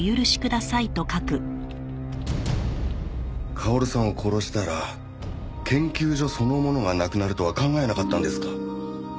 薫さんを殺したら研究所そのものがなくなるとは考えなかったんですか？